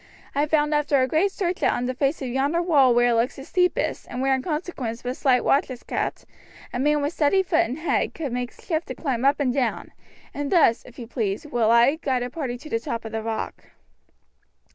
I found after a great search that on the face of yonder wall where it looks the steepest, and where in consequence but slight watch is kept, a man with steady foot and head could make shift to climb up and down, and thus, if you please, will I guide a party to the top of the rock."